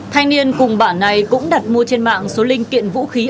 thanh niên cùng bản này cũng đặt mua trên mạng số linh kiện vũ khí